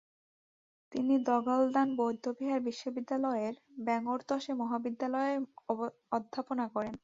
তিনি দ্গা'-ল্দান বৌদ্ধবিহার বিশ্ববিদ্যালয়ের ব্যাং-র্ত্সে মহাবিদ্যালয়ে অধ্যাপনা করেন।